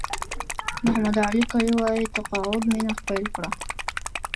محمد علي کلي وایي تقاعد مینه پیل کړه.